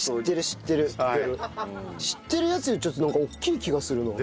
知ってるやつよりちょっと大きい気がするな。